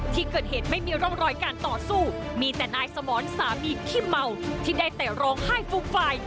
ที่เกิดเหตุไม่มีร่องรอยการต่อสู้มีแต่นายสมรสามีขี้เมาที่ได้แต่ร้องไห้ฟูบไฟ